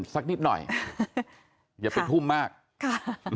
สักนิดหน่อยอย่าไปทุ่มมากค่ะ